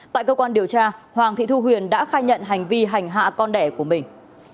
tại cơ quan điều tra hoàng thị thu huyền đã khai nhận hành vi hành hạ con đẻ của mình